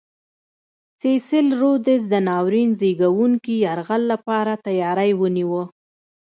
سیسل رودز د ناورین زېږوونکي یرغل لپاره تیاری نیوه.